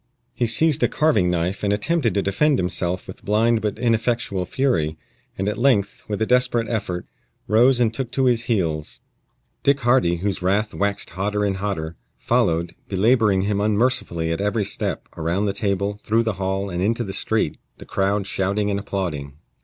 He seized a carving knife and attempted to defend himself with blind but ineffectual fury, and at length, with a desperate effort, rose and took to his heels. Dick Hardy, whose wrath waxed hotter and hotter, followed, belaboring him unmercifully at every step, around the table, through the hall, and into the street, the crowd shouting and applauding.